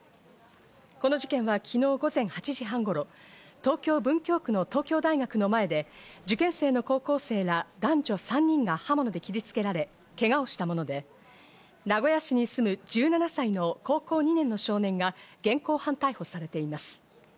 この事件、昨日午前８時半頃、東京・文京区の東京大学の前で、受験生の高校生ら男女３人が刃物で切りつけられ、けがをしたもので、名古屋市に住む１７歳の高校２年の少年が現行犯逮捕されています。